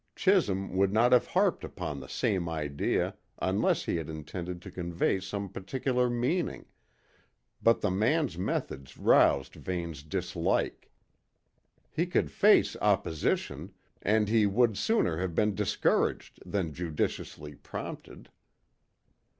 Chisholm would not have harped upon the same idea unless he had intended to convey some particular meaning, but the man's methods roused Vane's dislike. He could face opposition, and he would sooner have been discouraged than judiciously prompted.